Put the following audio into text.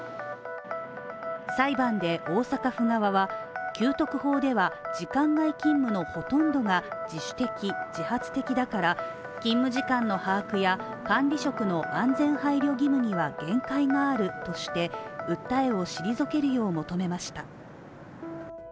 裁判で大阪府側は、給特法では時間外勤務のほとんどが自主的・自発的だから勤務時間の把握や管理職の安全配慮義務には限界があるとして訴えを退けるよう求めました。